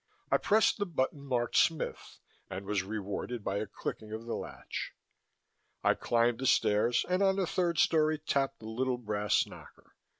I pressed the button marked Smith and was rewarded by a clicking of the latch. I climbed the stairs and on the third story tapped the little brass knocker.